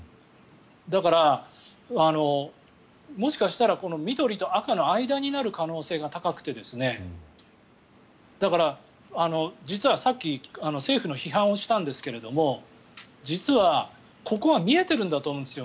だから、もしかしたら緑と赤の間になる可能性が高くてだから実はさっき政府の批判をしたんですけど実は、ここは見えてるんだと思うんですよ